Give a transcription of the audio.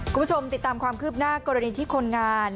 คุณผู้ชมติดตามความคืบหน้ากรณีที่คนงาน